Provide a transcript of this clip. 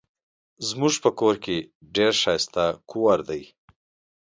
زمونږ په کور کې ډير ښايسته کوور دي